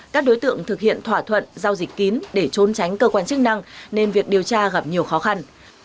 các đối tượng thực hiện thỏa thuận giao dịch kín để trốn tránh cơ quan chức năng nên việc điều tra gặp nhiều khó khăn